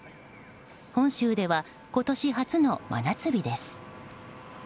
本州では今年初の真夏日です。